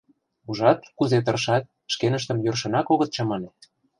Ужат, кузе тыршат, шкеныштым йӧршынак огыт чамане.